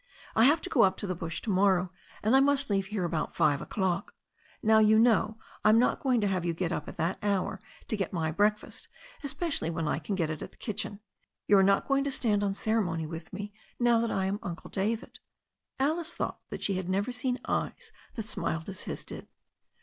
I have to go up to the bush to morrow, and I must leave here about five o'clock. Now, you know, I'm not going to have you get up at that hour to get my breakfast, especially when I can get it at the kitchen. You are not going to stand on ceremony with me, now that I am Uncle David." Alice thought that she had never seen eyes that smiled as his did.